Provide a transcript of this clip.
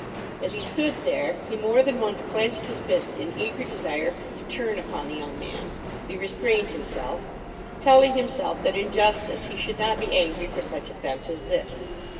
As he stood there he more than once clenched his fist in eager desire to turn upon the young man; but he restrained himself, telling himself that in justice he should not be angry for such offence as this.